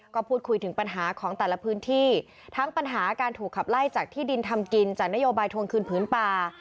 ก็พูดคุยถึงปัญหาของแต่ละพื้นที่ทั้งปัญหาการถูกขับไล่จากที่ดินทำกินจากนโยบายทวงคืนพื้นป่า